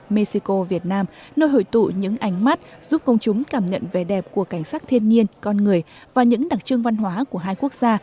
mexico việt nam nơi hội tụ những ánh mắt giúp công chúng cảm nhận vẻ đẹp của cảnh sắc thiên nhiên con người và những đặc trưng văn hóa của hai quốc gia